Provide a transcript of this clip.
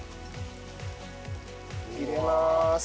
入れまーす。